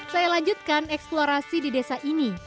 saya lanjutkan eksplorasi di desa ini